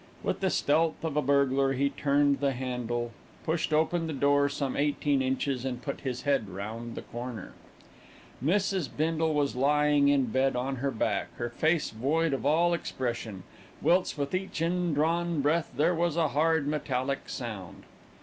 With the stealth of a burglar he turned the handle, pushed open the door some eighteen inches and put his head round the corner. Mrs. Bindle was lying in bed on her back, her face void of all expression, whilst with each indrawn breath there was a hard, metallic sound.